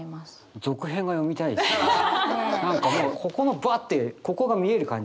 何かもうここのばあってここが見える感じが。